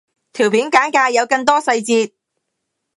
條片簡介有更多細節